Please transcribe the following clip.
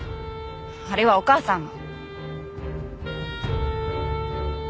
あれはお義母さんが。